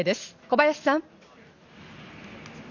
小林さん。